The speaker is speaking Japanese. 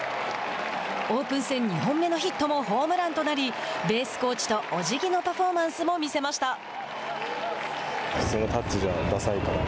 オープン戦２本目のヒットもホームランとなりベースコーチとおじぎのパフォーマンスも見せました。